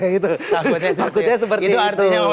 itu artinya sebenarnya